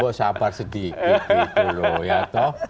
oh sabar sedikit gitu loh ya toh